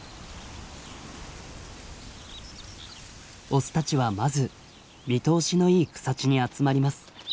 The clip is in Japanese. オスたちはまず見通しのいい草地に集まります。